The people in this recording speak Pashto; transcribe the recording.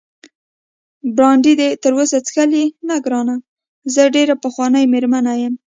برانډي دې تراوسه څښلی؟ نه ګرانه، زه ډېره پخوانۍ مېرمن یم.